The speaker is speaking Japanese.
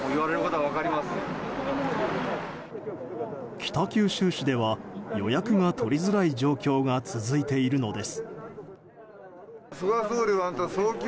北九州市では予約が取りづらい状況が続いているのです。